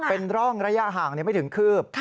เป็นร่องระยะห่างไม่ถึงคืบ